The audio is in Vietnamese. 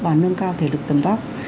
và nâng cao thể lực tầm vóc